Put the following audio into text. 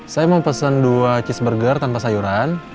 saya mau pesen dua cheeseburger tanpa sayuran